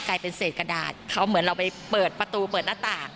กลายเป็นเศษกระดาษเขาเหมือนเราไปเปิดประตูเปิดหน้าต่าง